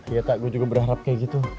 iya kak gue juga berharap kayak gitu